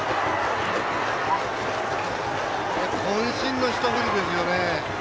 こん身のひと振りですよね。